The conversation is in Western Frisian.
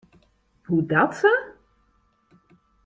Hoedatsa?